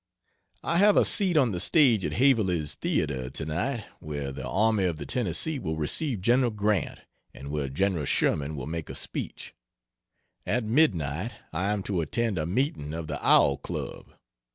I have a seat on the stage at Haverley's Theatre, tonight, where the Army of the Tennessee will receive Gen. Grant, and where Gen. Sherman will make a speech. At midnight I am to attend a meeting of the Owl Club.